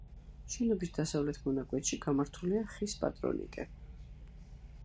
შენობის დასავლეთ მონაკვეთში გამართულია ხის პატრონიკე.